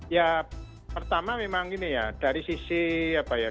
ya pertama memang ini ya